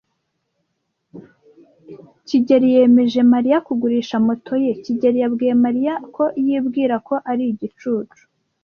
kigeli yemeje Mariya kugurisha moto ye. kigeli yabwiye Mariya ko yibwiraga ko ari igicucu.